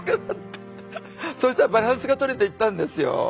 そしたらバランスがとれていったんですよ。